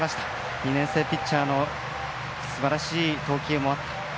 ２年生ピッチャーのすばらしい投球もあった。